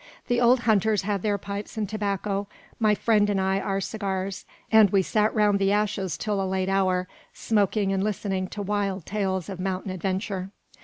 The old hunters had their pipes and tobacco, my friend and I our cigars, and we sat round the ashes till a late hour, smoking and listening to wild tales of mountain adventure.